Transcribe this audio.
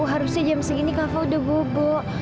harusnya jam segini kafa udah bobo